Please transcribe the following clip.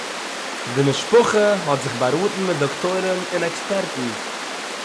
די משפּחה האָט זיך באַראָטן מיט דאָקטוירים און עקספּערטן